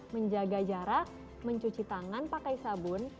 menjaga jarak mencuci tangan pakai sabun